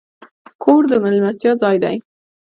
کور د میلمستیا ځای دی.